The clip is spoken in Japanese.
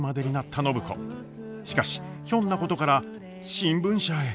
しかしひょんなことから新聞社へ。